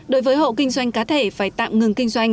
đối với hộ kinh doanh cá thể phải tạm ngừng kinh doanh